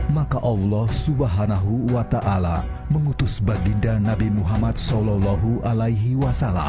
maka allah swt mengutus baginda nabi muhammad saw